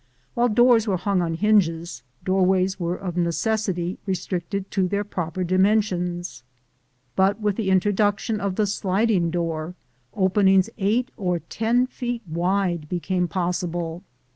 While doors were hung on hinges, doorways were of necessity restricted to their proper dimensions; but with the introduction of the sliding door, openings eight or ten feet wide became possible.